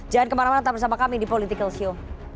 jangan kemana mana tetap bersama kami di politik kelsio